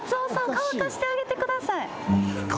乾かしてあげてください。